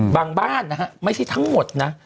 บางบ้านไม่ใช่ทั้งหมดนะ